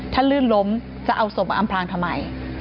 ถ้าลื่นล้มจะเอาศพมาอำพลางทำไม